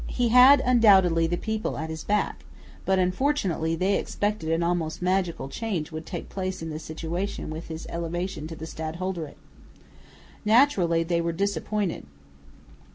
He had undoubtedly the people at his back, but unfortunately they expected an almost magical change would take place in the situation with his elevation to the stadholderate. Naturally they were disappointed.